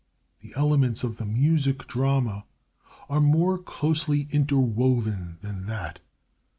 The elements of the Music Drama are more closely interwoven than that.